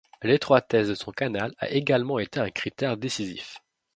L'étroitesse de son canal a également été un critère décisif.